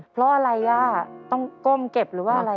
เพราะอะไรย่าต้องก้มเก็บหรือว่าอะไร